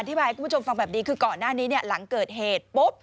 อธิบายให้คุณผู้ชมฟังแบบนี้คือก่อนหน้านี้หลังเกิดเหตุ